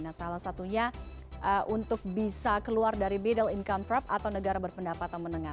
nah salah satunya untuk bisa keluar dari middle income trap atau negara berpendapatan menengah